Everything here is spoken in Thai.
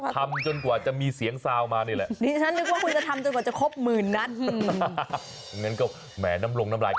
จนกว่าจะมีเสียงซาวมานี่แหละ